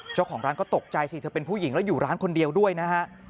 เจ้าของร้านก็ตกใจสิเธอเป็นผู้หญิงแล้วอยู่ร้านคนเดียวด้วยนะฮะ